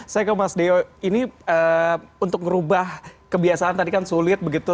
saya ke mas deo ini untuk merubah kebiasaan tadi kan sulit begitu